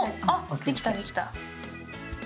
あできたできた。